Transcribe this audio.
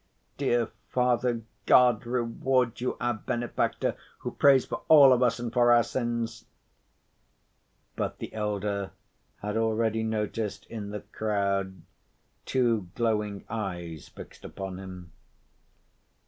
"Dear Father, God reward you, our benefactor, who prays for all of us and for our sins!" But the elder had already noticed in the crowd two glowing eyes fixed upon him.